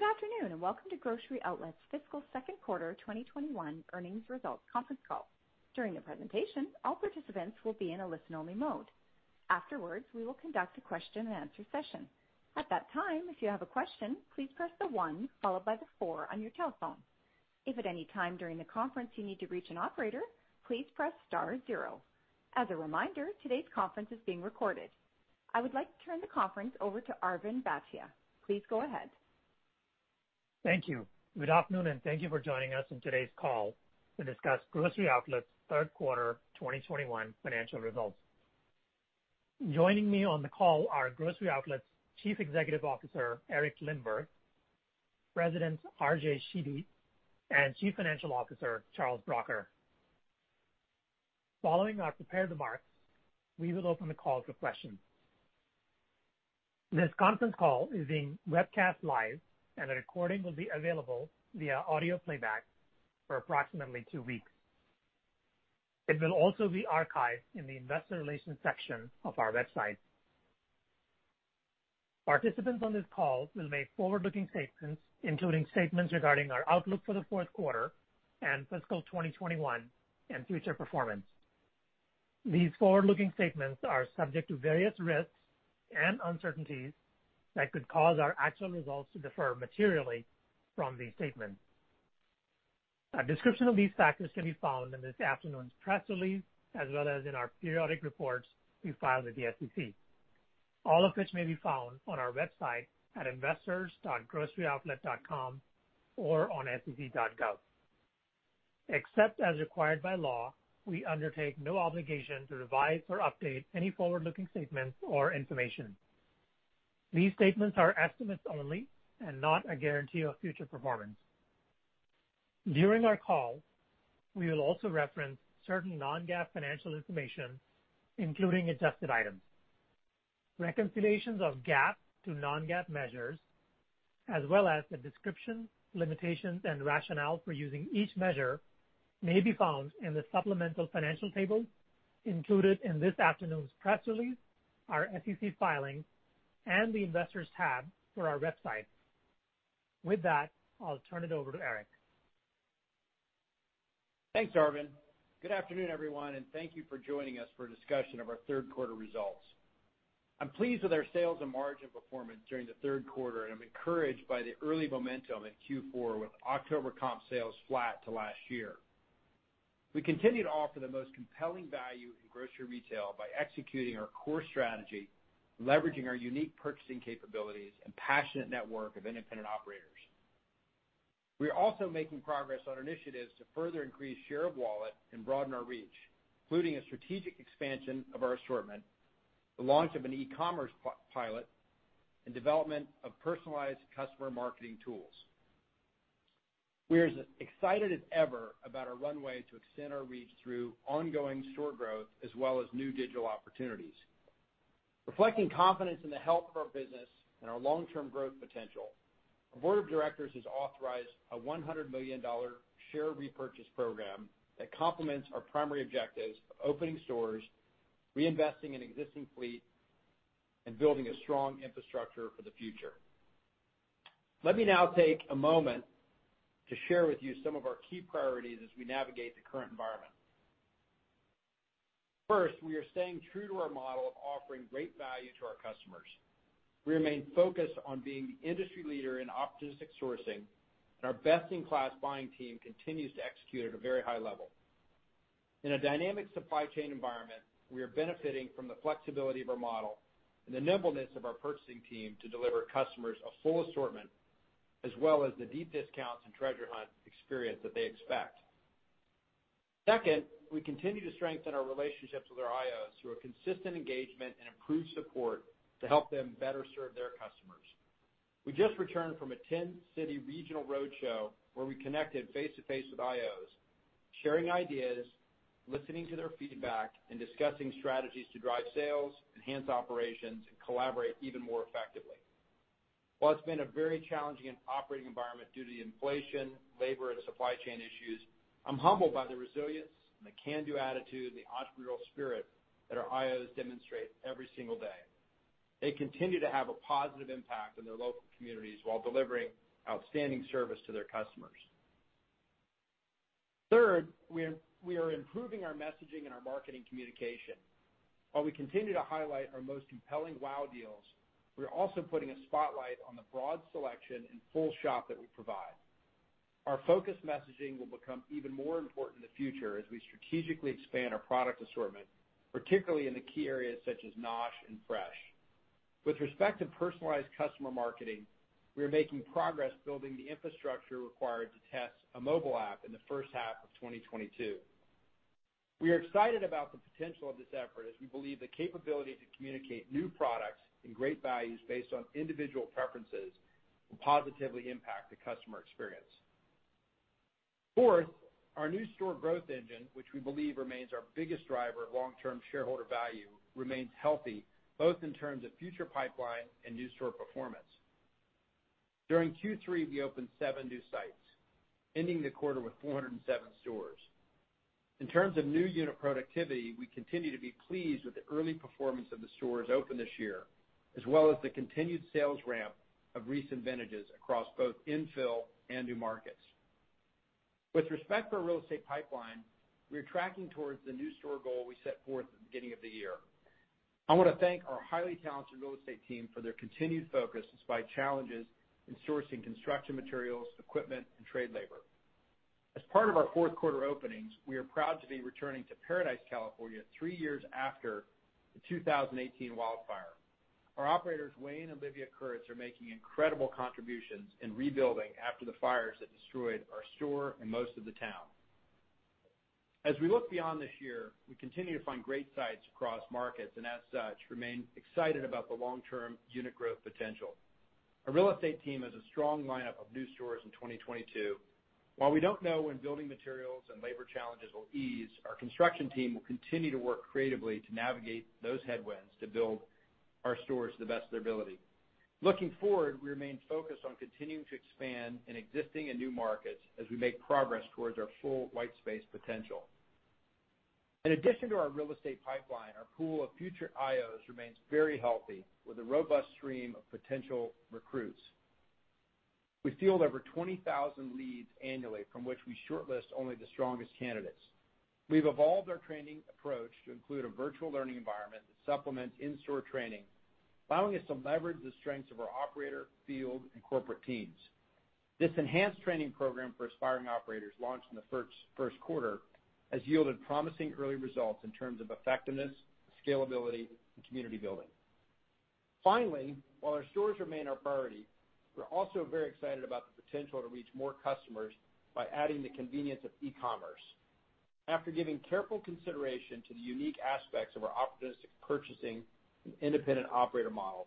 Good afternoon, and welcome to Grocery Outlet's fiscal third quarter 2021 earnings results conference call. During the presentation, all participants will be in a listen-only mode. Afterwards, we will conduct a question-and-answer session. At that time, if you have a question, please press the one followed by the four on your telephone. If at any time during the conference you need to reach an operator, please press star zero. As a reminder, today's conference is being recorded. I would like to turn the conference over to Arvind Bhatia. Please go ahead. Thank you. Good afternoon and thank you for joining us on today's call to discuss Grocery Outlet's third quarter 2021 financial results. Joining me on the call are Grocery Outlet's Chief Executive Officer, Eric Lindberg, President, R.J. Sheedy, and Chief Financial Officer, Charles Bracher. Following our prepared remarks, we will open the call for questions. This conference call is being webcast live, and a recording will be available via audio playback for approximately two weeks. It will also be archived in the Investor Relations section of our website. Participants on this call will make forward-looking statements, including statements regarding our outlook for the fourth quarter and fiscal 2021 and future performance. These forward-looking statements are subject to various risks and uncertainties that could cause our actual results to differ materially from these statements. A description of these factors can be found in this afternoon's press release, as well as in our periodic reports we filed with the SEC, all of which may be found on our website at investors.groceryoutlet.com or on sec.gov. Except as required by law, we undertake no obligation to revise or update any forward-looking statements or information. These statements are estimates only and not a guarantee of future performance. During our call, we will also reference certain non-GAAP financial information, including adjusted items. Reconciliations of GAAP to non-GAAP measures, as well as the description, limitations, and rationale for using each measure, may be found in the supplemental financial tables included in this afternoon's press release, our SEC filings, and the Investors tab for our website. With that, I'll turn it over to Eric. Thanks, Arvind. Good afternoon, everyone, and thank you for joining us for a discussion of our third quarter results. I'm pleased with our sales and margin performance during the third quarter, and I'm encouraged by the early momentum in Q4 with October comp sales flat to last year. We continue to offer the most compelling value in grocery retail by executing our core strategy, leveraging our unique purchasing capabilities, and passionate network of independent operators. We're also making progress on initiatives to further increase share of wallet and broaden our reach, including a strategic expansion of our assortment, the launch of an e-commerce pilot, and development of personalized customer marketing tools. We're as excited as ever about our runway to extend our reach through ongoing store growth as well as new digital opportunities. Reflecting confidence in the health of our business and our long-term growth potential, our Board of Directors has authorized a $100 million share repurchase program that complements our primary objectives of opening stores, reinvesting in existing fleet, and building a strong infrastructure for the future. Let me now take a moment to share with you some of our key priorities as we navigate the current environment. First, we are staying true to our model of offering great value to our customers. We remain focused on being the industry leader in opportunistic sourcing, and our best-in-class buying team continues to execute at a very high level. In a dynamic supply chain environment, we are benefiting from the flexibility of our model and the nimbleness of our purchasing team to deliver customers a full assortment, as well as the deep discounts and Treasure Hunt experience that they expect. Second, we continue to strengthen our relationships with our IOs through a consistent engagement and improved support to help them better serve their customers. We just returned from a 10-city regional roadshow where we connected face-to-face with IOs, sharing ideas, listening to their feedback, and discussing strategies to drive sales, enhance operations, and collaborate even more effectively. While it's been a very challenging operating environment due to the inflation, labor, and supply chain issues, I'm humbled by the resilience and the can-do attitude and the entrepreneurial spirit that our IOs demonstrate every single day. They continue to have a positive impact on their local communities while delivering outstanding service to their customers. Third, we are improving our messaging and our marketing communication. While we continue to highlight our most compelling WOW! deals, we're also putting a spotlight on the broad selection and full shop that we provide. Our focused messaging will become even more important in the future as we strategically expand our product assortment, particularly in the key areas such as NOSH and Fresh. With respect to personalized customer marketing, we are making progress building the infrastructure required to test a mobile app in the first half of 2022. We are excited about the potential of this effort, as we believe the capability to communicate new products and great values based on individual preferences will positively impact the customer experience. Fourth, our new store growth engine, which we believe remains our biggest driver of long-term shareholder value, remains healthy, both in terms of future pipeline and new store performance. During Q3, we opened seven new sites, ending the quarter with 407 stores. In terms of new unit productivity, we continue to be pleased with the early performance of the stores open this year, as well as the continued sales ramp of recent vintages across both infill and new markets. With respect to our real estate pipeline, we are tracking towards the new store goal we set forth at the beginning of the year. I wanna thank our highly talented real estate team for their continued focus despite challenges in sourcing construction materials, equipment, and trade labor. As part of our fourth quarter openings, we are proud to be returning to Paradise, California three years after the 2018 wildfire. Our operators, Wayne and Livia Kurtz, are making incredible contributions in rebuilding after the fires that destroyed our store and most of the town. As we look beyond this year, we continue to find great sites across markets, and as such, remain excited about the long-term unit growth potential. Our real estate team has a strong lineup of new stores in 2022. While we don't know when building materials and labor challenges will ease, our construction team will continue to work creatively to navigate those headwinds to build our stores to the best of their ability. Looking forward, we remain focused on continuing to expand in existing and new markets as we make progress towards our full white space potential. In addition to our real estate pipeline, our pool of future IOs remains very healthy with a robust stream of potential recruits. We field over 20,000 leads annually from which we shortlist only the strongest candidates. We've evolved our training approach to include a virtual learning environment to supplement in-store training, allowing us to leverage the strengths of our operator, field, and corporate teams. This enhanced training program for aspiring operators launched in the first quarter has yielded promising early results in terms of effectiveness, scalability, and community building. Finally, while our stores remain our priority, we're also very excited about the potential to reach more customers by adding the convenience of e-commerce. After giving careful consideration to the unique aspects of our opportunistic purchasing and independent operator model,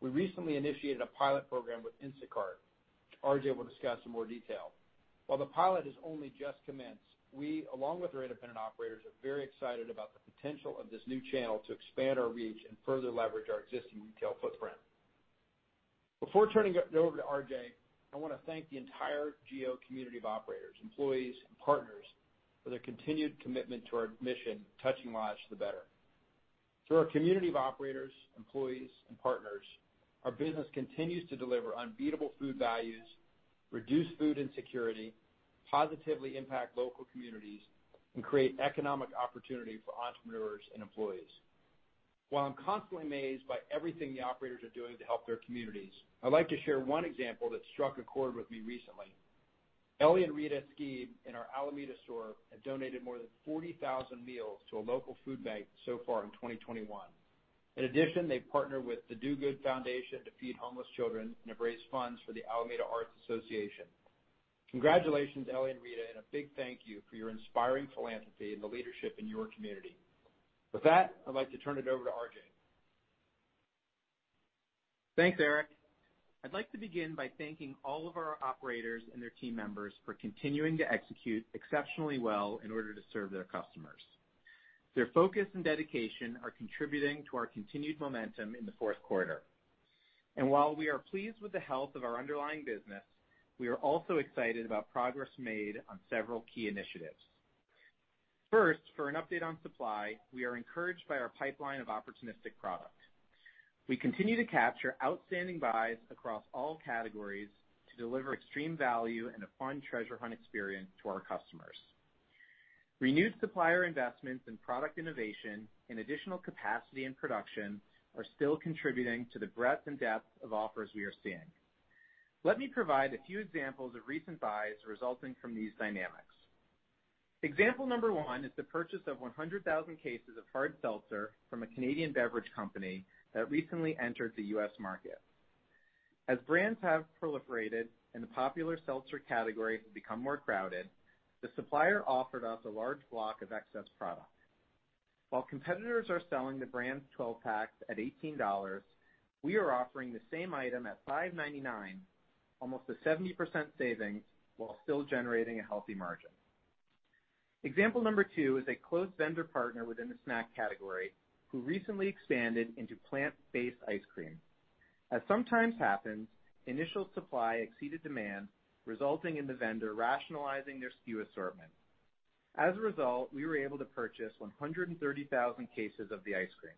we recently initiated a pilot program with Instacart, which R.J. will discuss in more detail. While the pilot has only just commenced, we, along with our independent operators, are very excited about the potential of this new channel to expand our reach and further leverage our existing retail footprint. Before turning it over to R.J., I wanna thank the entire GO community of operators, employees, and partners for their continued commitment to our mission, touching lives for the better. Through our community of operators, employees, and partners, our business continues to deliver unbeatable food values, reduce food insecurity, positively impact local communities, and create economic opportunity for entrepreneurs and employees. While I'm constantly amazed by everything the operators are doing to help their communities, I'd like to share one example that struck a chord with me recently. Elie and Rita Zgheib in our Alameda store have donated more than 40,000 meals to a local food bank so far in 2021. In addition, they've partnered with the Do Good Foundation to feed homeless children and have raised funds for the Alameda Art Association. Congratulations, Elie and Rita, and a big thank you for your inspiring philanthropy and the leadership in your community. With that, I'd like to turn it over to R.J. Thanks, Eric. I'd like to begin by thanking all of our operators and their team members for continuing to execute exceptionally well in order to serve their customers. Their focus and dedication are contributing to our continued momentum in the fourth quarter. While we are pleased with the health of our underlying business, we are also excited about progress made on several key initiatives. First, for an update on supply, we are encouraged by our pipeline of opportunistic product. We continue to capture outstanding buys across all categories to deliver extreme value and a fun Treasure Hunt experience to our customers. Renewed supplier investments in product innovation and additional capacity and production are still contributing to the breadth and depth of offers we are seeing. Let me provide a few examples of recent buys resulting from these dynamics. Example number one is the purchase of 100,000 cases of hard seltzer from a Canadian beverage company that recently entered the U.S. market. As brands have proliferated and the popular seltzer category has become more crowded, the supplier offered us a large block of excess product. While competitors are selling the brand's 12-pack at $18, we are offering the same item at $5.99, almost a 70% savings, while still generating a healthy margin. Example number two is a close vendor partner within the snack category who recently expanded into plant-based ice cream. As sometimes happens, initial supply exceeded demand, resulting in the vendor rationalizing their SKU assortment. As a result, we were able to purchase 130,000 cases of the ice cream.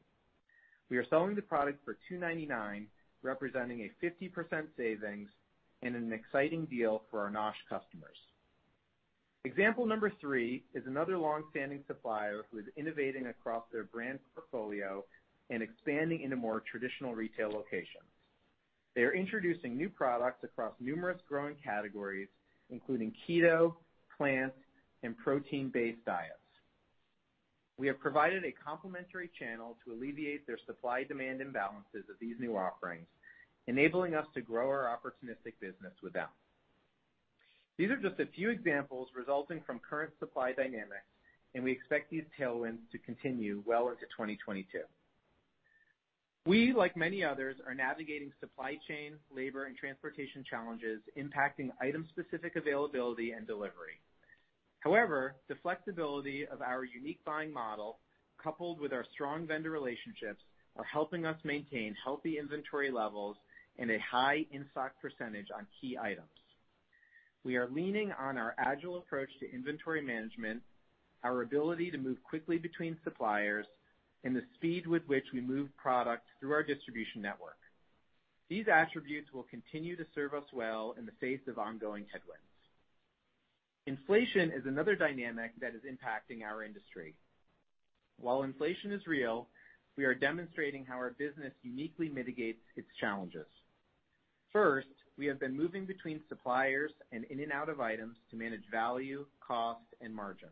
We are selling the product for $2.99, representing a 50% savings and an exciting deal for our NOSH customers. Example number three is another long-standing supplier who is innovating across their brand portfolio and expanding into more traditional retail locations. They are introducing new products across numerous growing categories, including keto, plant, and protein-based diets. We have provided a complementary channel to alleviate their supply-demand imbalances of these new offerings, enabling us to grow our opportunistic business with them. These are just a few examples resulting from current supply dynamics, and we expect these tailwinds to continue well into 2022. We, like many others, are navigating supply chain, labor, and transportation challenges impacting item-specific availability and delivery. However, the flexibility of our unique buying model, coupled with our strong vendor relationships, is helping us maintain healthy inventory levels and a high in-stock percentage on key items. We are leaning on our agile approach to inventory management, our ability to move quickly between suppliers, and the speed with which we move product through our distribution network. These attributes will continue to serve us well in the face of ongoing headwinds. Inflation is another dynamic that is impacting our industry. While inflation is real, we are demonstrating how our business uniquely mitigates its challenges. First, we have been moving between suppliers and in and out of items to manage value, cost, and margin.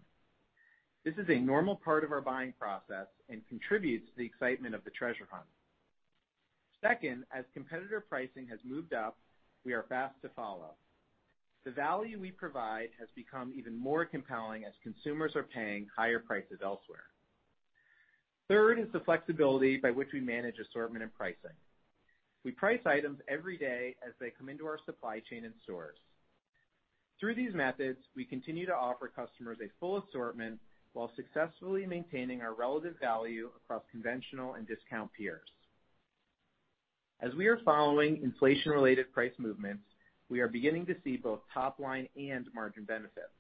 This is a normal part of our buying process and contributes to the excitement of the Treasure Hunt. Second, as competitor pricing has moved up, we are fast to follow. The value we provide has become even more compelling as consumers are paying higher prices elsewhere. Third is the flexibility by which we manage assortment and pricing. We price items every day as they come into our supply chain and stores. Through these methods, we continue to offer customers a full assortment while successfully maintaining our relative value across conventional and discount peers. As we are following inflation-related price movements, we are beginning to see both top line and margin benefits.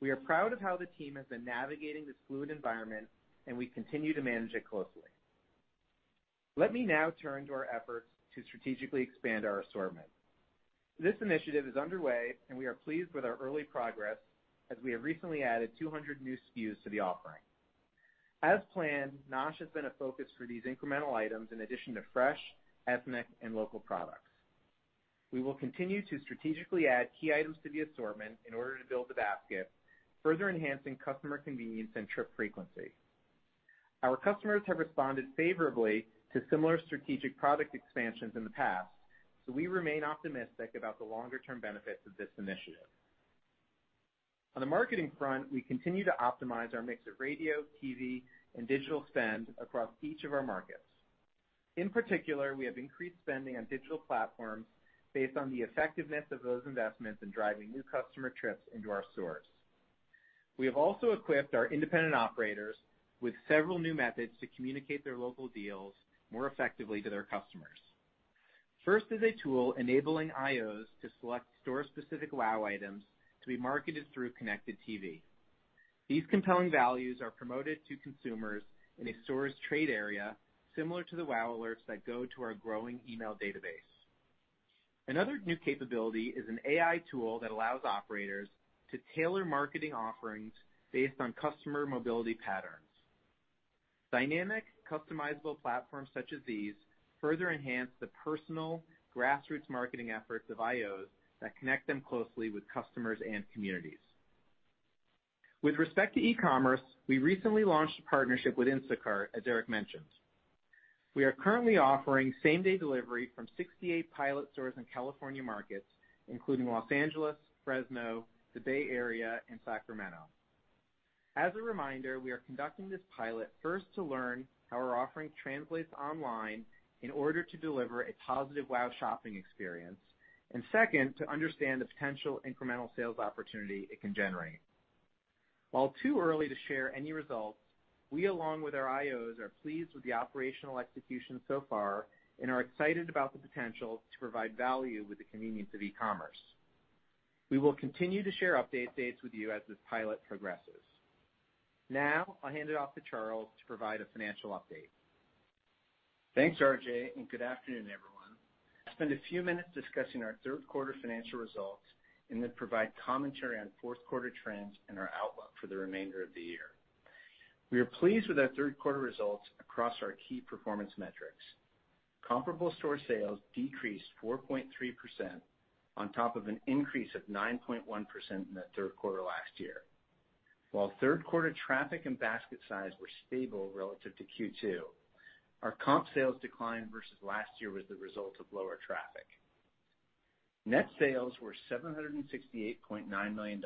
We are proud of how the team has been navigating this fluid environment, and we continue to manage it closely. Let me now turn to our efforts to strategically expand our assortment. This initiative is underway, and we are pleased with our early progress, as we have recently added 200 new SKUs to the offering. As planned, NOSH has been a focus for these incremental items in addition to fresh, ethnic, and local products. We will continue to strategically add key items to the assortment in order to build the basket, further enhancing customer convenience and trip frequency. Our customers have responded favorably to similar strategic product expansions in the past, so we remain optimistic about the longer term benefits of this initiative. On the marketing front, we continue to optimize our mix of radio, TV, and digital spend across each of our markets. In particular, we have increased spending on digital platforms based on the effectiveness of those investments in driving new customer trips into our stores. We have also equipped our independent operators with several new methods to communicate their local deals more effectively to their customers. First is a tool enabling IOs to select store-specific WOW! items to be marketed through connected TV. These compelling values are promoted to consumers in a store's trade area, similar to the WOW! alerts that go to our growing email database. Another new capability is an AI tool that allows operators to tailor marketing offerings based on customer mobility patterns. Dynamic, customizable platforms such as these further enhance the personal grassroots marketing efforts of IOs that connect them closely with customers and communities. With respect to e-commerce, we recently launched a partnership with Instacart, as Eric mentioned. We are currently offering same-day delivery from 68 pilot stores in California markets, including Los Angeles, Fresno, the Bay Area, and Sacramento. As a reminder, we are conducting this pilot first to learn how our offering translates online in order to deliver a positive WOW! shopping experience, and second, to understand the potential incremental sales opportunity it can generate. While too early to share any results, we along with our IOs, are pleased with the operational execution so far and are excited about the potential to provide value with the convenience of e-commerce. We will continue to share updates with you as this pilot progresses. Now I'll hand it off to Charles to provide a financial update. Thanks, R.J., and good afternoon, everyone. I'll spend a few minutes discussing our third quarter financial results and then provide commentary on fourth quarter trends and our outlook for the remainder of the year. We are pleased with our third quarter results across our key performance metrics. Comparable store sales decreased 4.3% on top of an increase of 9.1% in the third quarter last year. While third quarter traffic and basket size were stable relative to Q2, our comp sales decline versus last year was the result of lower traffic. Net sales were $768.9 million,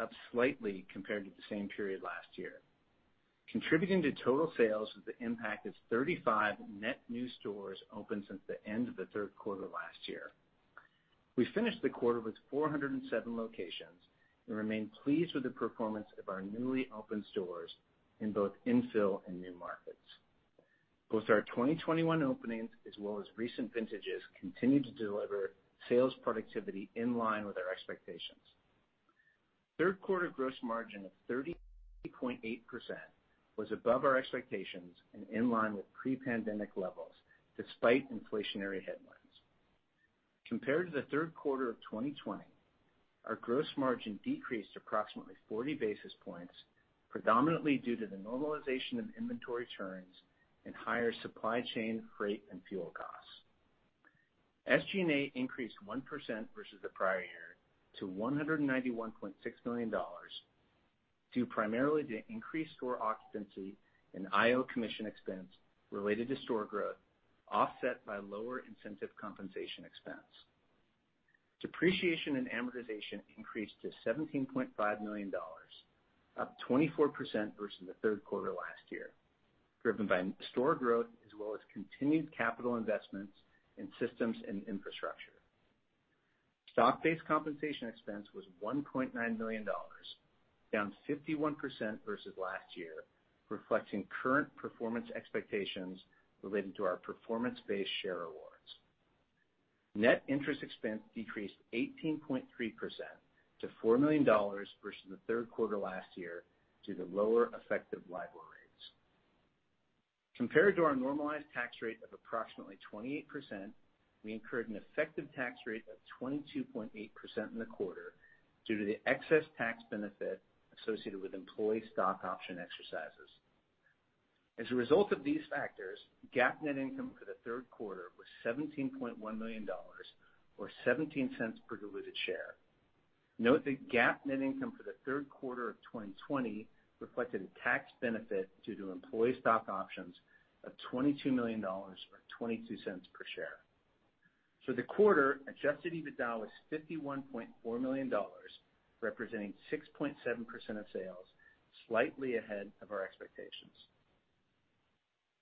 up slightly compared to the same period last year. Contributing to total sales was the impact of 35 net new stores opened since the end of the third quarter last year. We finished the quarter with 407 locations and remain pleased with the performance of our newly opened stores in both infill and new markets. Both our 2021 openings as well as recent vintages continue to deliver sales productivity in line with our expectations. Third quarter gross margin of 30.8% was above our expectations and in line with pre-pandemic levels despite inflationary headwinds. Compared to the third quarter of 2020, our gross margin decreased approximately 40 basis points, predominantly due to the normalization of inventory turns and higher supply chain, freight, and fuel costs. SG&A increased 1% versus the prior year to $191.6 million, due primarily to increased store occupancy and IO commission expense related to store growth, offset by lower incentive compensation expense. Depreciation and amortization increased to $17.5 million, up 24% versus the third quarter last year, driven by store growth as well as continued capital investments in systems and infrastructure. Stock-based compensation expense was $1.9 million, down 51% versus last year, reflecting current performance expectations related to our performance-based share awards. Net interest expense decreased 18.3% to $4 million versus the third quarter last year due to lower effective LIBOR rates. Compared to our normalized tax rate of approximately 28%, we incurred an effective tax rate of 22.8% in the quarter due to the excess tax benefit associated with employee stock option exercises. As a result of these factors, GAAP net income for the third quarter was $17.1 million, or $0.17 per diluted share. Note that GAAP net income for the third quarter of 2020 reflected a tax benefit due to employee stock options of $22 million, or $0.22 per share. For the quarter, adjusted EBITDA was $51.4 million, representing 6.7% of sales, slightly ahead of our expectations.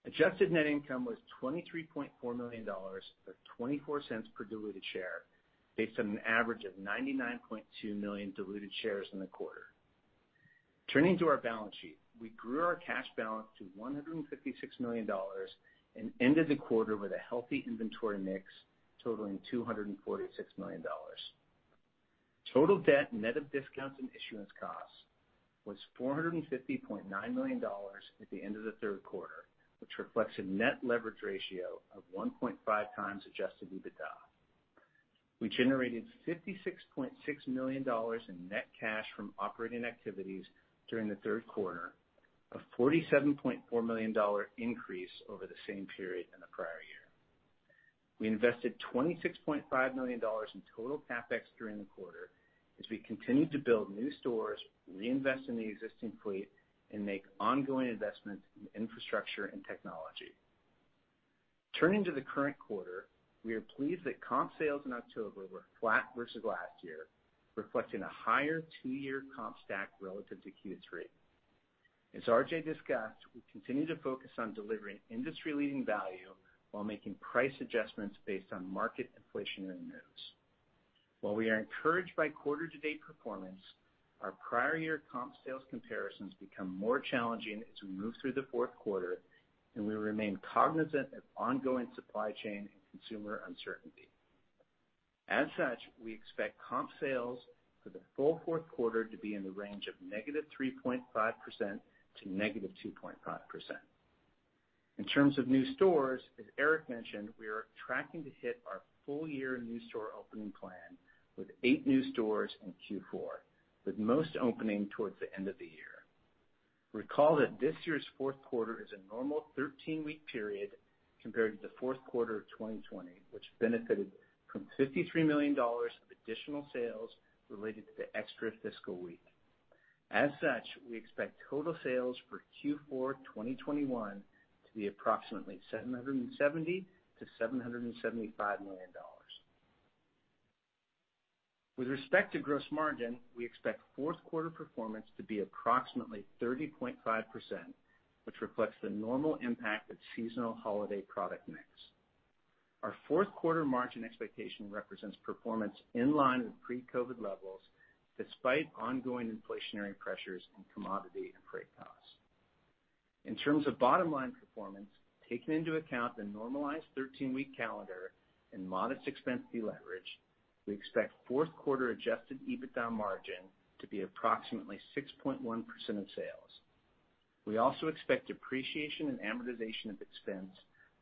Adjusted net income was $23.4 million, or $0.24 per diluted share, based on an average of 99.2 million diluted shares in the quarter. Turning to our balance sheet, we grew our cash balance to $156 million and ended the quarter with a healthy inventory mix totaling $246 million. Total debt net of discounts and issuance costs was $450.9 million at the end of the third quarter, which reflects a net leverage ratio of 1.5x adjusted EBITDA. We generated $56.6 million in net cash from operating activities during the third quarter, a $47.4 million increase over the same period in the prior year. We invested $26.5 million in total CapEx during the quarter as we continued to build new stores, reinvest in the existing fleet, and make ongoing investments in infrastructure and technology. Turning to the current quarter, we are pleased that comp sales in October were flat versus last year, reflecting a higher two-year comp stack relative to Q3. As R.J. discussed, we continue to focus on delivering industry-leading value while making price adjustments based on market inflationary moves. While we are encouraged by quarter-to-date performance, our prior year comp sales comparisons become more challenging as we move through the fourth quarter and we remain cognizant of ongoing supply chain and consumer uncertainty. As such, we expect comp sales for the full fourth quarter to be in the range of -3.5% to -2.5%. In terms of new stores, as Eric mentioned, we are tracking to hit our full year new store opening plan with eight new stores in Q4, with most opening towards the end of the year. Recall that this year's fourth quarter is a normal 13-week period compared to the fourth quarter of 2020, which benefited from $53 million of additional sales related to the extra fiscal week. As such, we expect total sales for Q4 2021 to be approximately $770 million-$775 million. With respect to gross margin, we expect fourth quarter performance to be approximately 30.5%, which reflects the normal impact of seasonal holiday product mix. Our fourth quarter margin expectation represents performance in line with pre-COVID levels despite ongoing inflationary pressures in commodity and freight costs. In terms of bottom line performance, taking into account the normalized 13-week calendar and modest expense deleverage, we expect fourth quarter adjusted EBITDA margin to be approximately 6.1% of sales. We also expect depreciation and amortization expense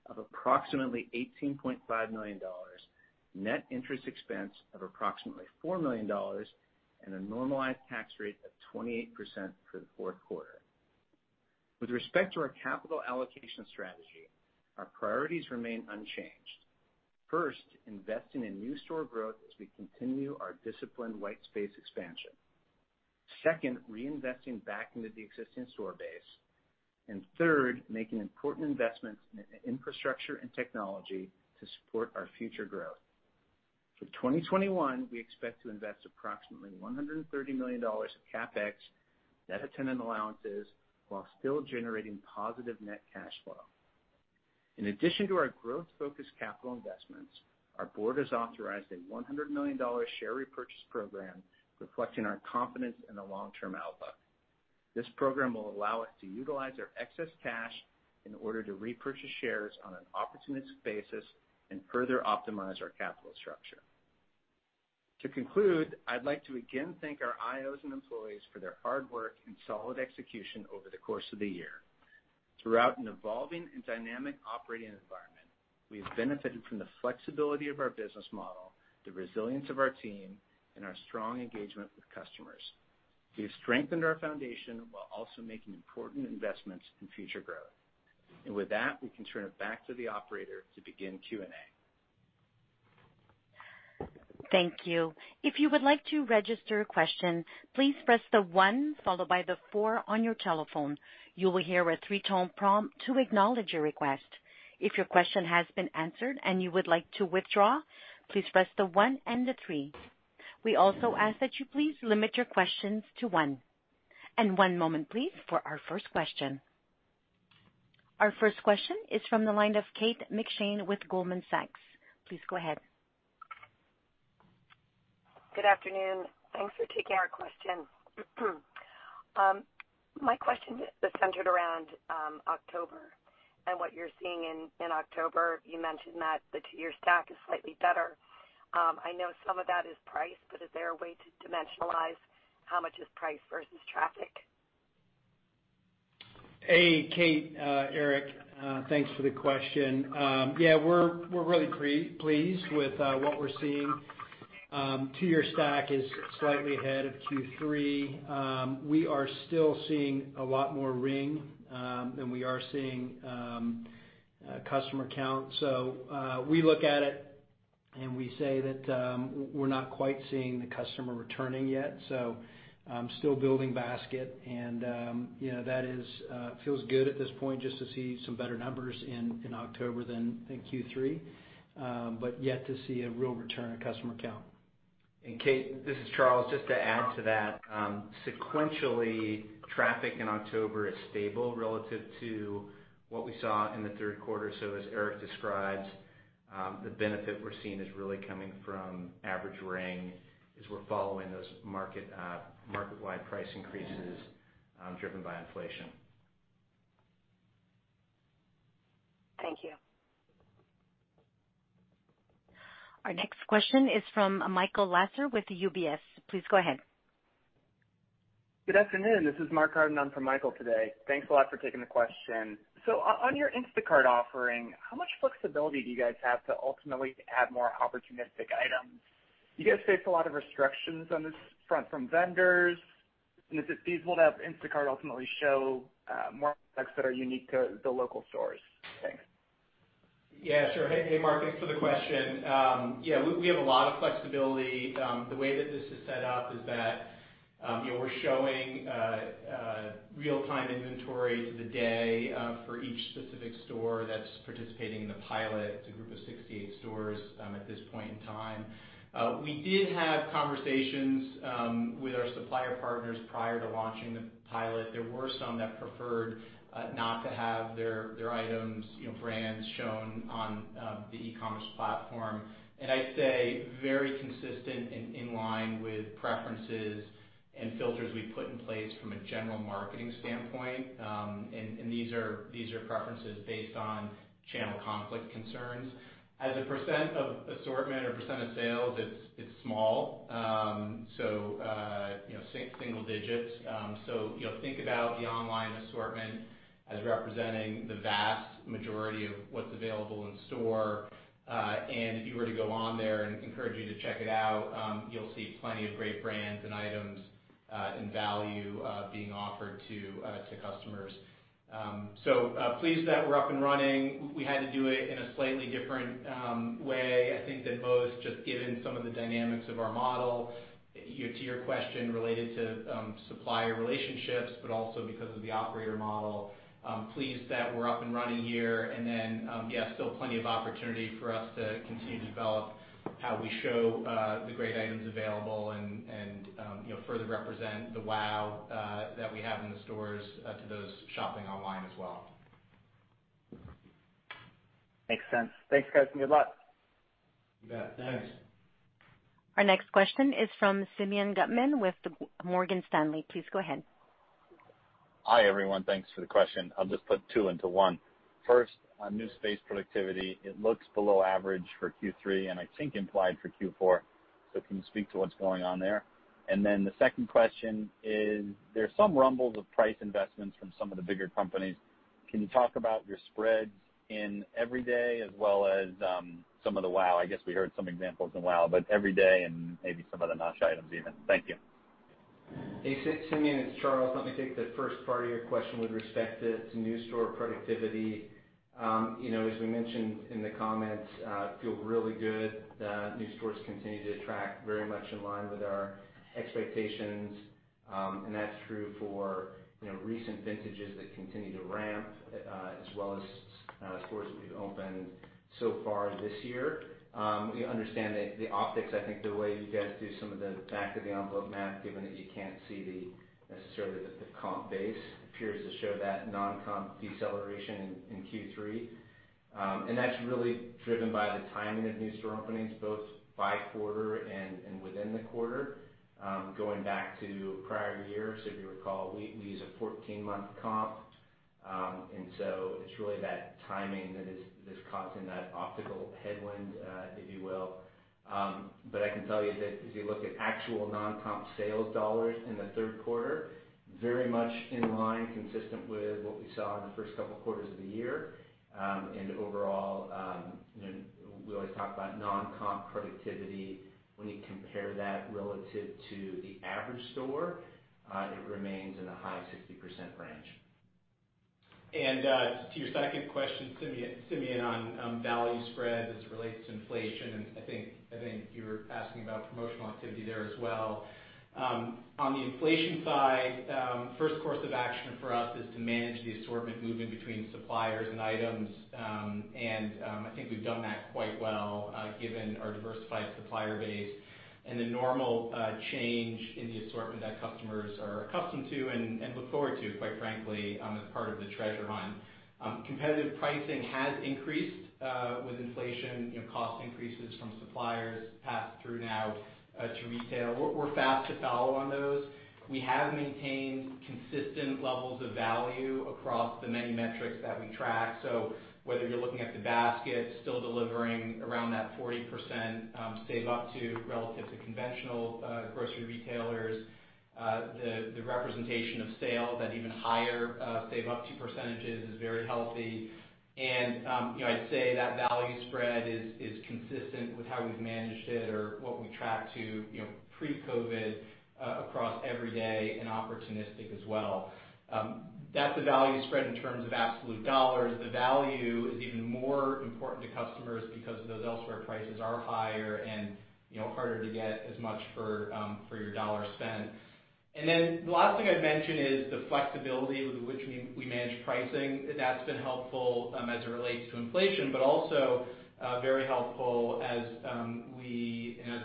of approximately $18.5 million, net interest expense of approximately $4 million, and a normalized tax rate of 28% for the fourth quarter. With respect to our capital allocation strategy, our priorities remain unchanged. First, investing in new store growth as we continue our disciplined white space expansion. Second, reinvesting back into the existing store base. Third, making important investments in infrastructure and technology to support our future growth. For 2021, we expect to invest approximately $130 million of CapEx, net of tenant allowances, while still generating positive net cash flow. In addition to our growth-focused capital investments, our board has authorized a $100 million share repurchase program reflecting our confidence in the long-term outlook. This program will allow us to utilize our excess cash in order to repurchase shares on an opportunistic basis and further optimize our capital structure. To conclude, I'd like to again thank our IOs and employees for their hard work and solid execution over the course of the year. Throughout an evolving and dynamic operating environment, we have benefited from the flexibility of our business model, the resilience of our team, and our strong engagement with customers. We have strengthened our foundation while also making important investments in future growth. With that, we can turn it back to the operator to begin Q&A. Thank you. If you would like to register a question, please press the one followed by the four on your telephone. You will hear a three-tone prompt to acknowledge your request. If your question has been answered and you would like to withdraw, please press the one and the three. We also ask that you please limit your questions to one. One moment, please, for our first question. Our first question is from the line of Kate McShane with Goldman Sachs. Please go ahead. Good afternoon. Thanks for taking our question. My question is centered around October and what you're seeing in October. You mentioned that the two-year stack is slightly better. I know some of that is price, but is there a way to dimensionalize how much is price versus traffic? Hey, Kate, Eric. Thanks for the question. Yeah, we're really pleased with what we're seeing. Two-year stack is slightly ahead of Q3. We are still seeing a lot more ring than we are seeing customer count. We look at it, and we say that we're not quite seeing the customer returning yet, so still building basket and you know that feels good at this point just to see some better numbers in October than in Q3. But yet to see a real return of customer count. Kate, this is Charles. Just to add to that, sequentially, traffic in October is stable relative to what we saw in the third quarter. As Eric describes, the benefit we're seeing is really coming from average ring as we're following those market-wide price increases, driven by inflation. Thank you. Our next question is from Michael Lasser with UBS. Please go ahead. Good afternoon. This is Mark Carden on for Michael today. Thanks a lot for taking the question. On your Instacart offering, how much flexibility do you guys have to ultimately add more opportunistic items? Do you guys face a lot of restrictions on this front from vendors? And is it feasible to have Instacart ultimately show more products that are unique to the local stores? Thanks. Yeah, sure. Hey, Mark, thanks for the question. Yeah, we have a lot of flexibility. The way that this is set up is that, you know, we're showing real-time inventory to the day for each specific store that's participating in the pilot. It's a group of 68 stores at this point in time. We did have conversations with our supplier partners prior to launching the pilot. There were some that preferred not to have their items, you know, brands shown on the e-commerce platform. I'd say very consistent and in line with preferences and filters we put in place from a general marketing standpoint. These are preferences based on channel conflict concerns. As a percent of assortment or percent of sales, it's small. Single digits. You know, think about the online assortment as representing the vast majority of what's available in store. If you were to go on there and encourage you to check it out, you'll see plenty of great brands and items, and value, being offered to customers. Pleased that we're up and running. We had to do it in a slightly different way, I think, than most, just given some of the dynamics of our model, you know, to your question related to supplier relationships but also because of the operator model. Pleased that we're up and running here. Yeah, still plenty of opportunity for us to continue to develop how we show the great items available and, you know, further represent the WOW! that we have in the stores to those shopping online as well. Makes sense. Thanks, guys, and good luck. You bet. Thanks. Our next question is from Simeon Gutman with Morgan Stanley. Please go ahead. Hi, everyone. Thanks for the question. I'll just put two into one. First, on new space productivity, it looks below average for Q3, and I think implied for Q4. Can you speak to what's going on there? The second question is, there's some rumbles of price investments from some of the bigger companies. Can you talk about your spreads in every day as well as some of the WOW!? I guess we heard some examples in WOW!, but every day and maybe some of the NOSH items even. Thank you. Hey, Simeon, it's Charles. Let me take the first part of your question with respect to new store productivity. You know, as we mentioned in the comments, feel really good that new stores continue to track very much in line with our expectations. That's true for, you know, recent vintages that continue to ramp, as well as stores that we've opened so far this year. We understand that the optics, I think the way you guys do some of the back of the envelope math, given that you can't see, necessarily, the comp base, appears to show that non-comp deceleration in Q3. That's really driven by the timing of new store openings, both by quarter and within the quarter, going back to prior years. If you recall, we use a 14-month comp, and so it's really that timing that's causing that optical headwind, if you will. I can tell you that as you look at actual non-comp sales dollars in the third quarter, very much in line, consistent with what we saw in the first couple quarters of the year. Overall, you know, we always talk about non-comp productivity. When you compare that relative to the average store, it remains in the high 60% range. To your second question, Simeon, on value spread as it relates to inflation, and I think you were asking about promotional activity there as well. On the inflation side, first course of action for us is to manage the assortment movement between suppliers and items. I think we've done that quite well, given our diversified supplier base and the normal change in the assortment that customers are accustomed to and look forward to, quite frankly, as part of the Treasure Hunt. Competitive pricing has increased with inflation, you know, cost increases from suppliers passed through now to retail. We're fast to follow on those. We have maintained consistent levels of value across the many metrics that we track. Whether you're looking at the basket, still delivering around that 40% savings up to relative to conventional grocery retailers, the representation of sales that even higher savings up to percentages is very healthy. You know, I'd say that value spread is consistent with how we've managed it or what we track to, you know, pre-COVID, across every day and opportunistic as well. That's the value spread in terms of absolute dollars. The value is even more important to customers because those elsewhere prices are higher and, you know, harder to get as much for your dollar spent. Then the last thing I'd mention is the flexibility with which we manage pricing. That's been helpful as it relates to inflation, but also very helpful as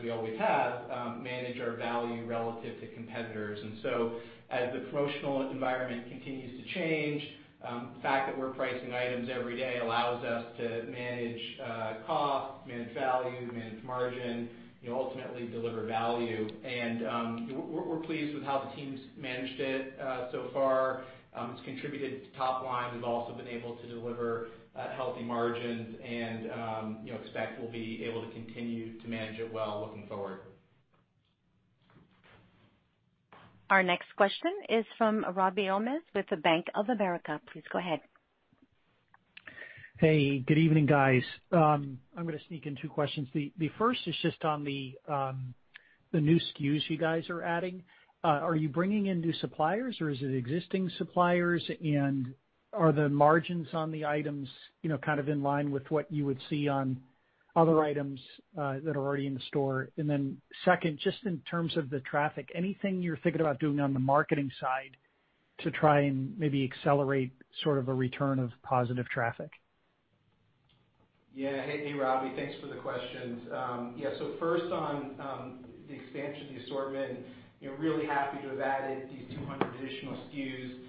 we always have managed our value relative to competitors. As the promotional environment continues to change, the fact that we're pricing items every day allows us to manage cost, manage value, manage margin, you know, ultimately deliver value. We're pleased with how the team's managed it so far. It's contributed to top line. We've also been able to deliver healthy margins and, you know, expect we'll be able to continue to manage it well looking forward. Our next question is from Robby Ohmes with the Bank of America. Please go ahead. Hey, good evening, guys. I'm gonna sneak in two questions. The first is just on the new SKUs you guys are adding. Are you bringing in new suppliers or is it existing suppliers? And are the margins on the items, you know, kind of in line with what you would see on other items that are already in the store? Second, just in terms of the traffic, anything you're thinking about doing on the marketing side to try and maybe accelerate sort of a return of positive traffic? Yeah. Hey, Robby. Thanks for the questions. First on the expansion of the assortment, you know, really happy to have added these 200 additional SKUs.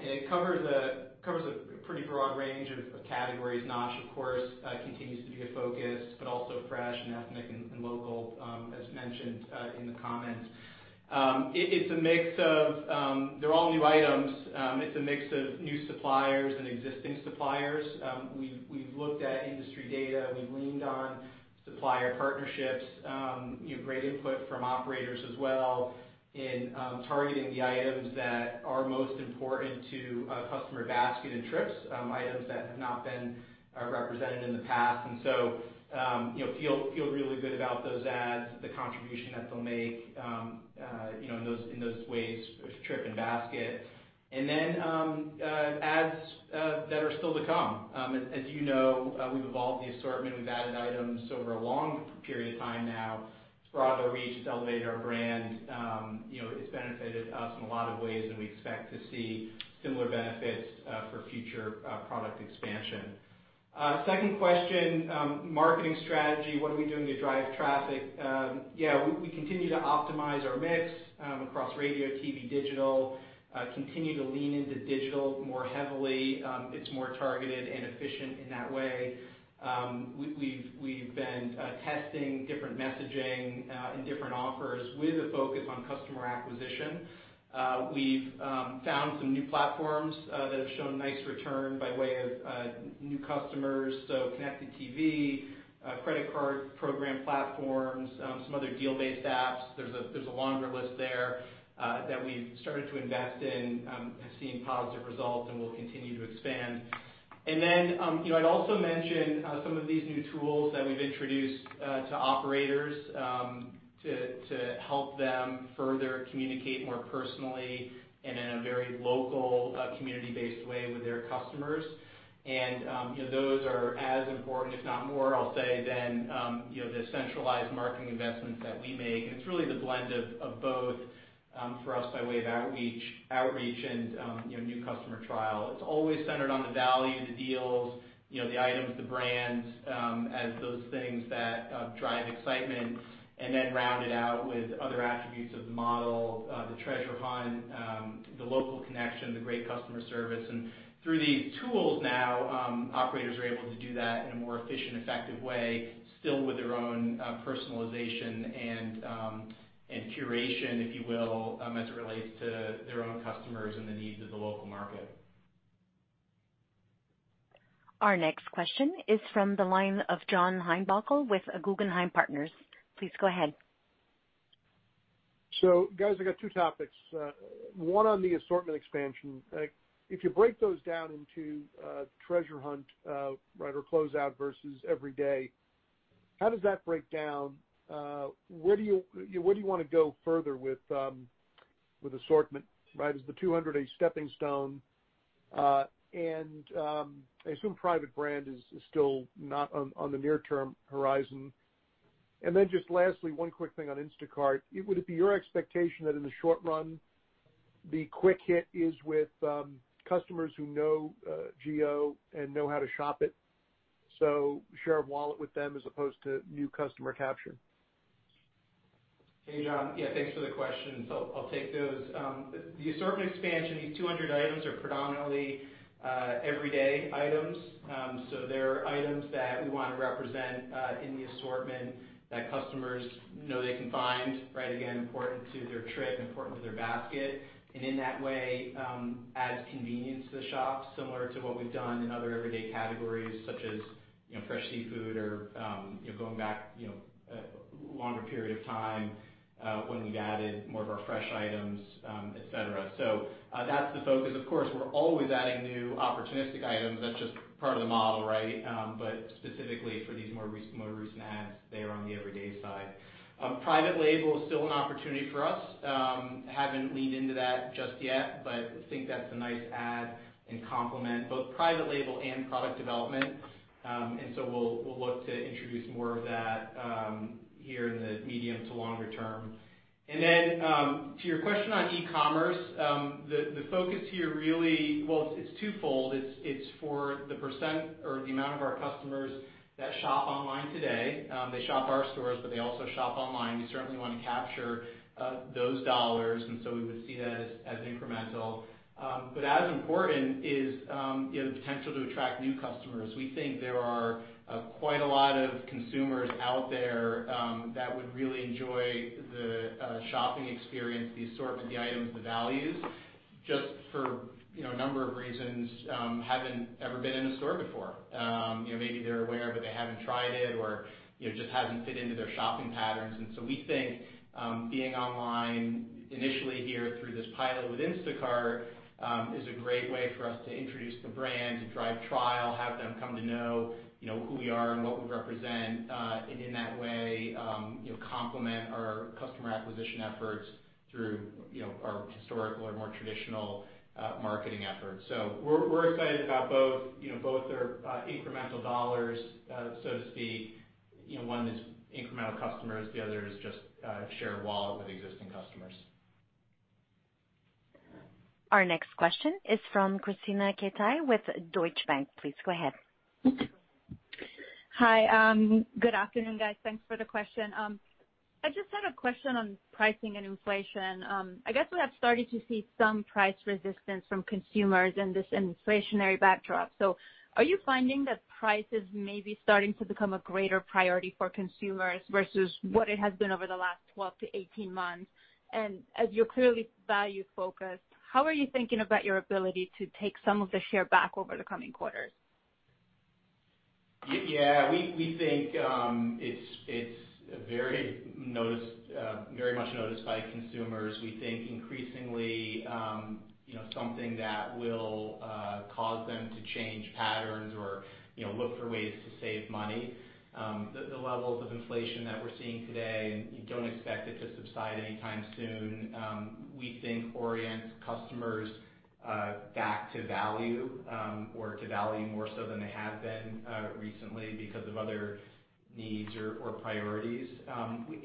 It covers a pretty broad range of categories. NOSH, of course, continues to be a focus, but also fresh and ethnic and local, as mentioned in the comments. It's a mix of, they're all new items, it's a mix of new suppliers and existing suppliers. We've looked at industry data. We've leaned on supplier partnerships, you know, great input from operators as well in targeting the items that are most important to a customer basket and trips, items that have not been represented in the past. You know, feel really good about those adds, the contribution that they'll make, you know, in those ways with trip and basket. Adds that are still to come. As you know, we've evolved the assortment. We've added items over a long period of time now. It's broadened our reach. It's elevated our brand. You know, it's benefited us in a lot of ways, and we expect to see similar benefits for future product expansion. Second question, marketing strategy, what are we doing to drive traffic? Yeah, we continue to optimize our mix across radio, TV, digital, continue to lean into digital more heavily. It's more targeted and efficient in that way. We've been testing different messaging and different offers with a focus on customer acquisition. We've found some new platforms that have shown nice return by way of new customers, so connected TV, credit card program platforms, some other deal-based apps. There's a longer list there that we've started to invest in, have seen positive results, and will continue to expand. Then, you know, I'd also mention some of these new tools that we've introduced to operators to help them further communicate more personally and in a very local community-based way with their customers. You know, those are as important, if not more, I'll say, than you know, the centralized marketing investments that we make. It's really the blend of both for us by way of outreach and you know new customer trial. It's always centered on the value, the deals, you know, the items, the brands as those things that drive excitement and then rounded out with other attributes of the model, the Treasure Hunt, the local connection, the great customer service. Through these tools now, operators are able to do that in a more efficient, effective way, still with their own personalization and curation, if you will, as it relates to their own customers and the needs of the local market. Our next question is from the line of John Heinbockel with Guggenheim Partners. Please go ahead. Guys, I got two topics. One on the assortment expansion. If you break those down into Treasure Hunt, right, or closeout versus every day. How does that break down? Where do you wanna go further with assortment, right? Is the 200 a stepping stone? I assume private brand is still not on the near term horizon. Just lastly, one quick thing on Instacart. Would it be your expectation that in the short run, the quick hit is with customers who know GO and know how to shop it, so share of wallet with them as opposed to new customer capture? Hey, John. Yeah, thanks for the question. I'll take those. The assortment expansion, these 200 items are predominantly everyday items. They're items that we wanna represent in the assortment that customers know they can find, right? Again, important to their trip, important to their basket. In that way, adds convenience to the shop, similar to what we've done in other everyday categories such as you know fresh seafood or you know going back you know longer period of time when we've added more of our fresh items, et cetera. That's the focus. Of course, we're always adding new opportunistic items. That's just part of the model, right? Specifically for these more recent adds, they are on the everyday side. Private label is still an opportunity for us. We haven't leaned into that just yet, but think that's a nice add and complement, both private label and product development. We'll look to introduce more of that here in the medium to longer term. To your question on e-commerce, the focus here really is twofold. It's for the percent or the amount of our customers that shop online today. They shop our stores, but they also shop online. We certainly wanna capture those dollars, and so we would see that as incremental. But as important is, you know, the potential to attract new customers. We think there are quite a lot of consumers out there that would really enjoy the shopping experience, the assortment, the items, the values, just for you know a number of reasons, haven't ever been in a store before. You know, maybe they're aware, but they haven't tried it or you know just hasn't fit into their shopping patterns. We think being online initially here through this pilot with Instacart is a great way for us to introduce the brand, to drive trial, have them come to know, you know, who we are and what we represent and in that way, you know, complement our customer acquisition efforts through, you know, our historical or more traditional marketing efforts. We're excited about both. You know, both are incremental dollars so to speak. You know, one is incremental customers, the other is just share of wallet with existing customers. Our next question is from Krisztina Katai with Deutsche Bank. Please go ahead. Hi. Good afternoon, guys. Thanks for the question. I just had a question on pricing and inflation. I guess we have started to see some price resistance from consumers in this inflationary backdrop. Are you finding that prices may be starting to become a greater priority for consumers versus what it has been over the last 12-18 months? As you're clearly value-focused, how are you thinking about your ability to take some of the share back over the coming quarters? Yeah. We think it's very noticed, very much noticed by consumers. We think increasingly, you know, something that will cause them to change patterns or, you know, look for ways to save money. The levels of inflation that we're seeing today, and you don't expect it to subside anytime soon, we think orients customers back to value, or to value more so than they have been recently because of other needs or priorities.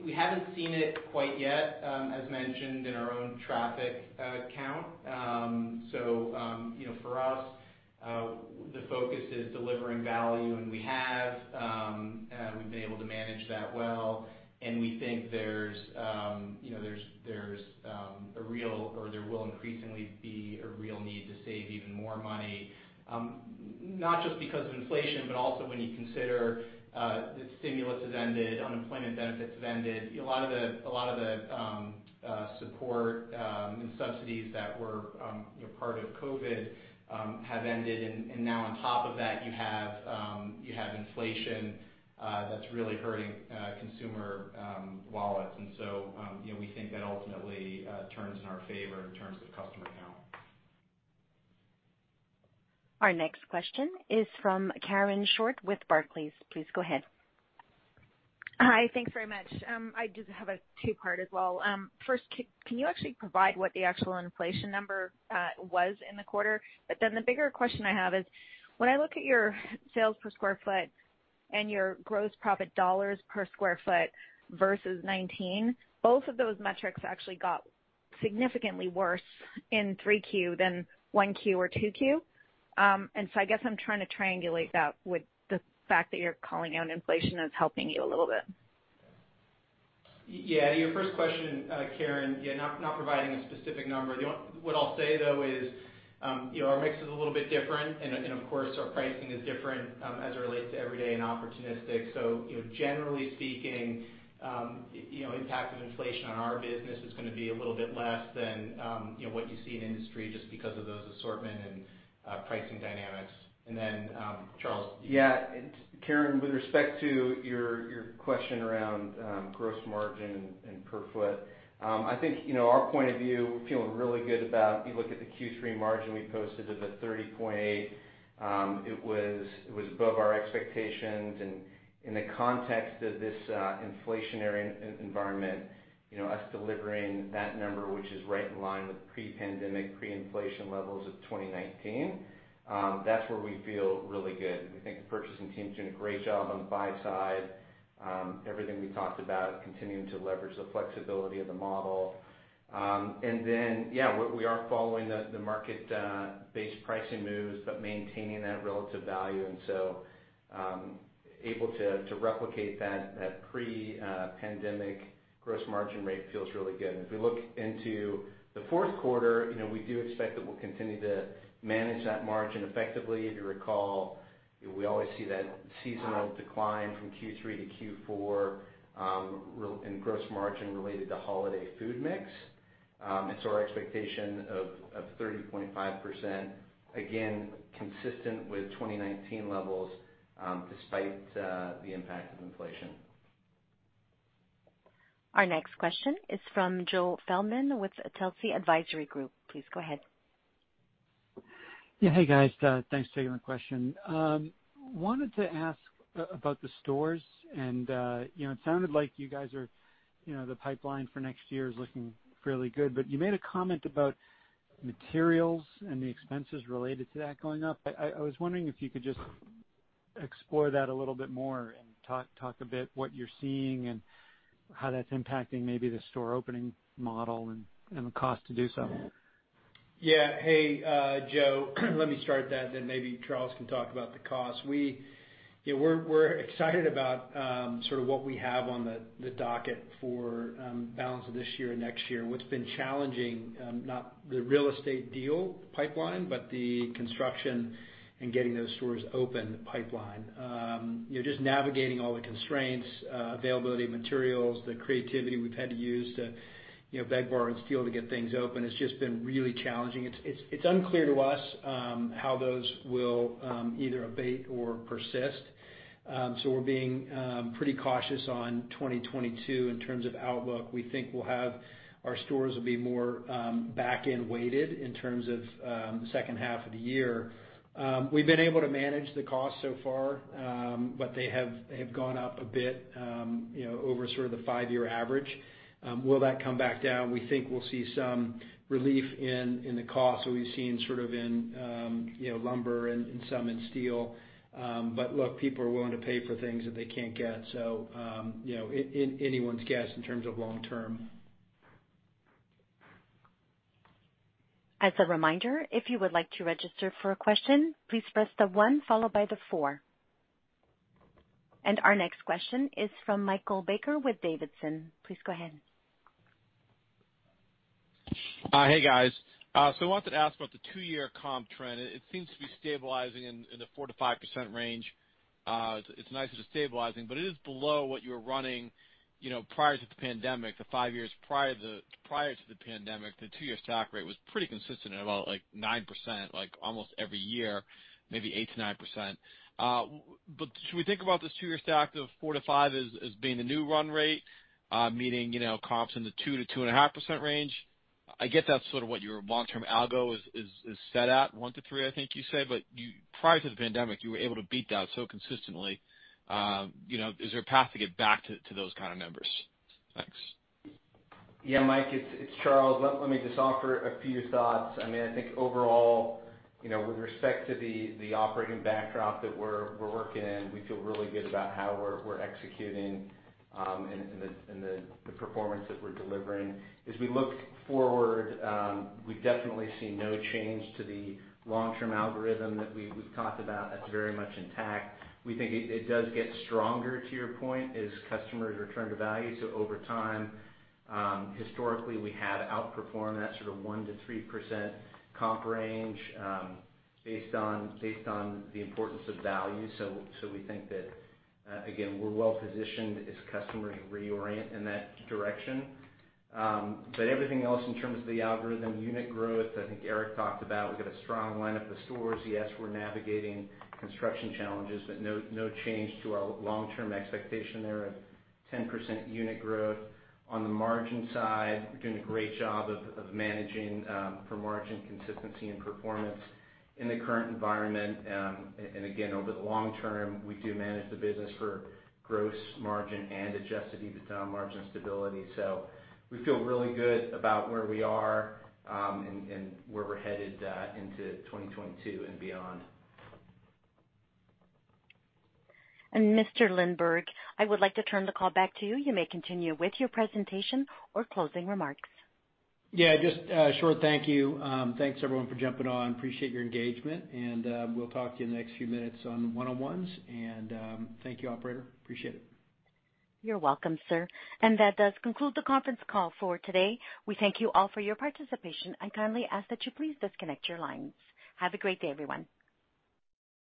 We haven't seen it quite yet, as mentioned in our own traffic count. You know, for us, the focus is delivering value, and we've been able to manage that well. We think there's, you know, a real or there will increasingly be a real need to save even more money, not just because of inflation, but also when you consider the stimulus has ended, unemployment benefits have ended. A lot of the support and subsidies that were, you know, part of COVID have ended. Now on top of that, you have inflation that's really hurting consumer wallets. We think that ultimately turns in our favor in terms of customer count. Our next question is from Karen Short with Barclays. Please go ahead. Hi. Thanks very much. I just have a two-part question as well. First, can you actually provide what the actual inflation number was in the quarter? The bigger question I have is, when I look at your sales per square foot and your gross profit dollars per square foot versus 2019, both of those metrics actually got significantly worse in 3Q than 1Q or Q2. I guess I'm trying to triangulate that with the fact that you're calling out inflation as helping you a little bit. Yeah, to your first question, Karen, yeah, we're not providing a specific number. You know what I'll say though is, you know, our mix is a little bit different and of course our pricing is different, as it relates to every day and opportunistic. You know, generally speaking, you know, impact of inflation on our business is gonna be a little bit less than, you know, what you see in industry just because of those assortment and pricing dynamics. Then, Charles? Yeah. Karen, with respect to your question around gross margin and per foot, I think, in our point of view, we're feeling really good about, you look at the Q3 margin we posted a 30.8%. It was above our expectations and in the context of this inflationary environment, us delivering that number, which is right in line with pre-pandemic, pre-inflation levels of 2019, that's where we feel really good. We think the purchasing team's doing a great job on the buy side. Everything we talked about, continuing to leverage the flexibility of the model. We are following the market base pricing moves, but maintaining that relative value, able to replicate that pre-pandemic gross margin rate feels really good. If we look into the fourth quarter, you know, we do expect that we'll continue to manage that margin effectively. If you recall, we always see that seasonal decline from Q3 to Q4 in gross margin related to holiday food mix. Our expectation of 30.5%, again consistent with 2019 levels, despite the impact of inflation. Our next question is from Joe Feldman with Telsey Advisory Group. Please go ahead. Yeah. Hey, guys. Thanks for taking my question. Wanted to ask about the stores and, you know, it sounded like you guys are, you know, the pipeline for next year is looking fairly good. You made a comment about materials and the expenses related to that going up. I was wondering if you could just explore that a little bit more and talk a bit what you're seeing and how that's impacting maybe the store opening model and the cost to do so. Yeah. Hey, Joe, let me start that, then maybe Charles can talk about the cost. We're excited about sort of what we have on the docket for balance of this year and next year. What's been challenging is not the real estate deal pipeline, but the construction and getting those stores open pipeline. You know, just navigating all the constraints, availability of materials, the creativity we've had to use to, you know, beg, borrow, and steal to get things open. It's just been really challenging. It's unclear to us how those will either abate or persist. We're being pretty cautious on 2022 in terms of outlook. We think we'll have our stores will be more back-end weighted in terms of the second half of the year. We've been able to manage the cost so far, but they have gone up a bit, you know, over sort of the five-year average. Will that come back down? We think we'll see some relief in the cost we've seen sort of in, you know, lumber and some in steel. Look, people are willing to pay for things that they can't get, so, you know, anyone's guess in terms of long term. As a reminder, if you would like to register for a question, please press the one followed by the four. Our next question is from Michael Baker with Davidson. Please go ahead. Hey, guys. I wanted to ask about the two-year comp trend. It seems to be stabilizing in the 4%-5% range. It's nice that it's stabilizing, but it is below what you were running, you know, prior to the pandemic. The five years prior to the pandemic, the two-year stack rate was pretty consistent at about like 9%, like almost every year, maybe 8%-9%. Should we think about this two-year stack of 4%-5% as being the new run rate, meaning, you know, comps in the 2%-2.5% range? I get that's sort of what your long-term algo is set at, 1%-3%, I think you said. Prior to the pandemic, you were able to beat that so consistently. You know, is there a path to get back to those kind of numbers? Thanks. Yeah, Mike, it's Charles. Let me just offer a few thoughts. I mean, I think overall, you know, with respect to the operating backdrop that we're working in, we feel really good about how we're executing, and the performance that we're delivering. As we look forward, we definitely see no change to the long-term algorithm that we've talked about. That's very much intact. We think it does get stronger, to your point, as customers return to value. Over time, historically, we have outperformed that sort of 1%-3% comp range, based on the importance of value. We think that, again, we're well-positioned as customers reorient in that direction. Everything else in terms of the algorithm, unit growth, I think Eric talked about, we've got a strong line of the stores. Yes, we're navigating construction challenges, but no change to our long-term expectation there of 10% unit growth. On the margin side, we're doing a great job of managing for margin consistency and performance in the current environment. Again, over the long term, we do manage the business for gross margin and adjusted EBITDA margin stability. We feel really good about where we are, and where we're headed into 2022 and beyond. Mr. Lindberg, I would like to turn the call back to you. You may continue with your presentation or closing remarks. Yeah, just a short thank you. Thanks everyone for jumping on. Appreciate your engagement, and we'll talk to you in the next few minutes on one-on-ones. Thank you, operator. Appreciate it. You're welcome, sir. That does conclude the conference call for today. We thank you all for your participation and kindly ask that you please disconnect your lines. Have a great day, everyone.